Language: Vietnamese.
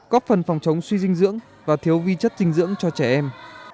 góp phần phòng chống suy dinh dưỡng và thiếu vi chất dinh dưỡng cho trẻ em